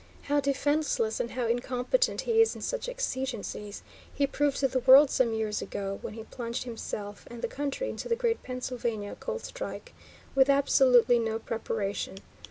How defenceless and how incompetent he is in such exigencies, he proved to the world some years ago when he plunged himself and the country into the great Pennsylvania coal strike, with absolutely no preparation.